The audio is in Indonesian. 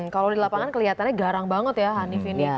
kalau di lapangan kelihatannya garang banget ya hanif ini